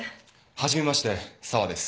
初めまして沢です。